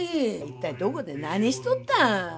一体どこで何しとった？